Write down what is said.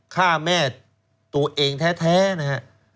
ฆ่าแม่ตัวเองแท้นะฮะ